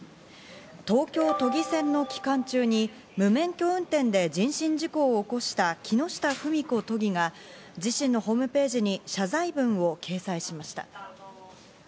東京都議選の期間中に無免許運転で人身事故を起こした木下富美子都議が自身のホームページに謝罪文を掲載しました。